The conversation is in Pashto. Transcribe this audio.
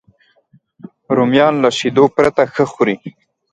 رومیان له شیدو پرته ښه خوري